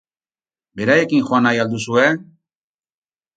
Beraiekin joan nahi al duzue?